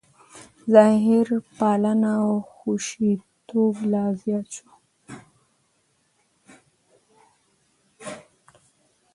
ظاهرپالنه او حشویتوب لا زیات شو.